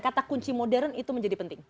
kata kunci modern itu menjadi penting